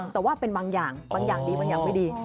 แต่ว่าเป็นบางอย่างบางอย่างดีบางอย่างไม่ดี